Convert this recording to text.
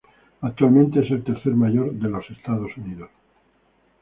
Actualmente es el tercer mayor de los Estados Unidos.